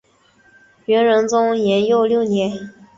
元仁宗延佑六年。